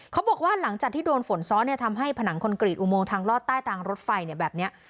เขาบอกว่าหลังจากที่โดนฝนซ้อนทำให้ผนังคอนกรีตอุโมงทางลอดใต้ตางรถไฟแบบนี้